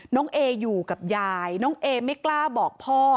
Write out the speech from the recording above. เออยู่กับยายน้องเอไม่กล้าบอกพ่อ